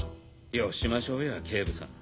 よしましょうや警部さん。